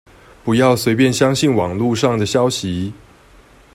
不要隨便相信網路上的消息